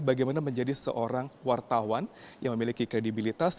bagaimana menjadi seorang wartawan yang memiliki kredibilitas